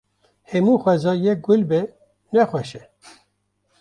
Hemû xweza yek gul be ne xweş e.